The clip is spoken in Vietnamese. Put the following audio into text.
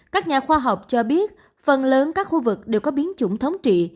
các nhà khoa học cho biết phần lớn các khu vực đều có biến chủng thống trị